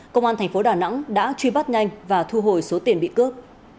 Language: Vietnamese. công an thành phố đà nẵng đã truy bắt nhanh và thu hồi số tiền bị cướp